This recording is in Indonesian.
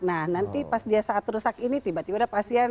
nah nanti saat rusak ini tiba tiba ada pasien